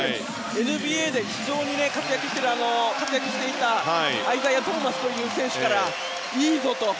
ＮＢＡで活躍していたトーマスという選手からいいぞと。